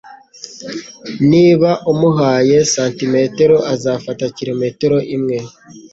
Niba umuhaye santimetero, azafata kilometero imwe